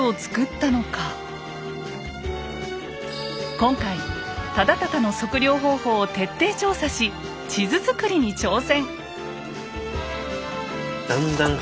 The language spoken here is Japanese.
今回忠敬の測量方法を徹底調査し地図作りに挑戦！